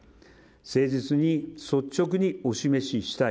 誠実に率直にお示ししたい。